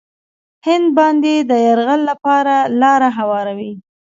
هند باندې د یرغل لپاره لاره هواروي.